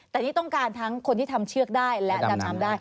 แต่นี่ต้องการทั้งคนที่ทำเชือกได้และดำน้ำได้